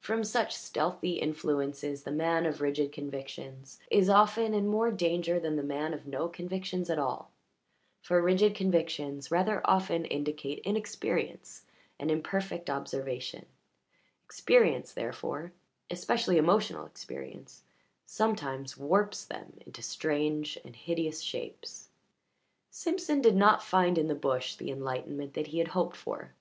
From such stealthy influences the man of rigid convictions is often in more danger than the man of no convictions at all, for rigid convictions rather often indicate inexperience and imperfect observation; experience, therefore especially emotional experience sometimes warps them into strange and hideous shapes. Simpson did not find in the bush the enlightenment that he had hoped for.